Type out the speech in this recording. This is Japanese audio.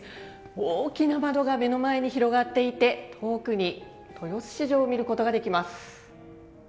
大きな窓が目の前に広がっていて遠くに豊洲市場を見ることができます。